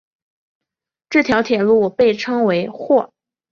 这条铁路被称为或。